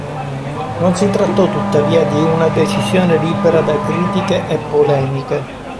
Non si trattò, tuttavia, di una decisione libera da critiche e polemiche.